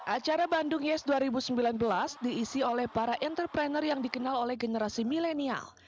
acara bandung yes dua ribu sembilan belas diisi oleh para entrepreneur yang dikenal oleh generasi milenial